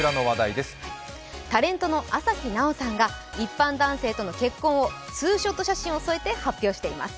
タレントの朝日奈央さんが一般男性との結婚をツーショット写真を添えて発表しています。